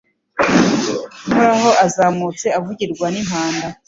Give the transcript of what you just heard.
Uhoraho azamutse avugirwa n’impanda